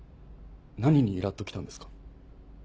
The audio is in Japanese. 何にイラっときたんですか？